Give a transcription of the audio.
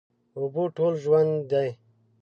اوبه ټول ژوند دي.